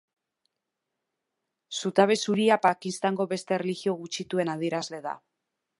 Zutabe zuria Pakistango beste erlijio gutxituen adierazle da.